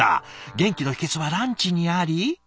元気の秘けつはランチにあり？